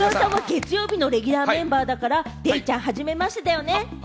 長谷川さんは月曜日のレギュラーメンバーだから、デイちゃん、はじめましてだよね。